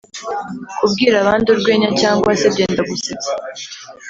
Kubwira abandi urwenya cyangwa se byendagusetsa.